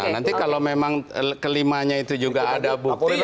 nah nanti kalau memang kelimanya itu juga ada bukti